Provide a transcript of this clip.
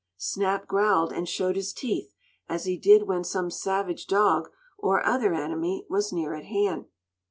Snap growled, and showed his teeth, as he did when some savage dog, or other enemy, was near at hand.